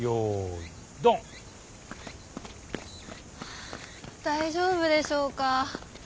あ大丈夫でしょうか。